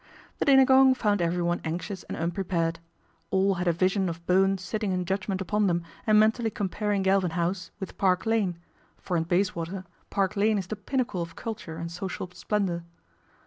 The dinner gong found everyone anxious and prepared. All had a vision of Bowen sitting judgment upon them and mentally comparing alvin House with Park Lane ; for in Bayswater Park Lane is the pinnacle of culture and social splendour.